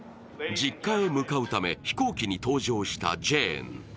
実家へ向かうため飛行機に搭乗したジェーン。